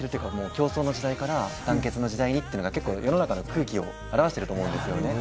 競争の時代から団結の時代にという世の中の空気を表してると思います。